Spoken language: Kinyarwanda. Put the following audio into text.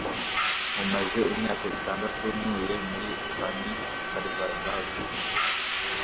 Mumaze imyaka itandatu ntuye muri San Salvador.